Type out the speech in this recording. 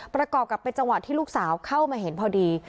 ประกอบกับเป็นจังหวะที่ลูกสาวเข้ามาเห็นพอดี